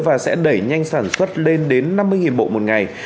và sẽ đẩy nhanh sản xuất lên đến năm mươi bộ một ngày